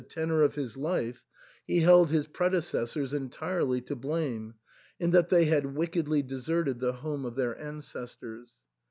tenor of his life he held his predecessors entirely to blame, in that they had wickedly deserted the home of their ancestors.